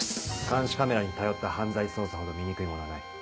監視カメラに頼った犯罪捜査ほど醜いものはない。